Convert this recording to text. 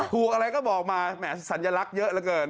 อะไรก็บอกมาแหมสัญลักษณ์เยอะเหลือเกิน